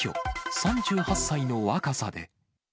３８歳の若さで。